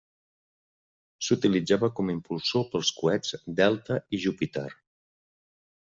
S'utilitzava com impulsor pels coets Delta i Júpiter.